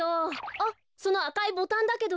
あっそのあかいボタンだけど。